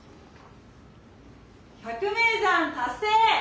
百名山達成。